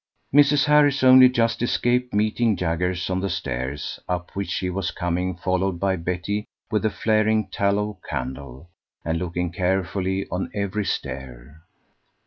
Mrs. Harris only just escaped meeting Jaggers on the stairs, up which he was coming, followed by Betty with a flaring tallow candle, and looking carefully on every stair.